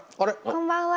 こんばんは。